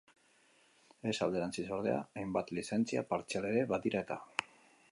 Ez alderantziz ordea, hainbat lizentzia partzial ere badira eta.